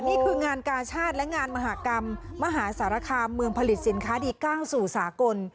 นี่คืองานกาชาติและงานมหากรรมมหาสารคามเมืองผลิตสินค้าดี๙สู่สากล